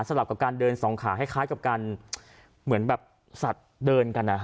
ลับกับการเดินสองขาให้คล้ายกับการเหมือนแบบสัตว์เดินกัน